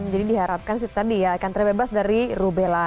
jadi diharapkan si tadi akan terbebas dari rubella